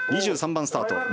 ２３番スタート